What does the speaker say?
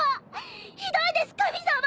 ひどいです神様！